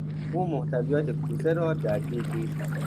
او محتویات کوزه را در دیگ ریخت.